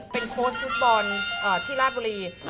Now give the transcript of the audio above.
เป็นโค้ชฟุตบอลที่ราชบุรี